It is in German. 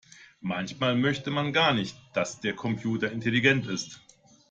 Manchmal möchte man gar nicht, dass der Computer intelligent ist.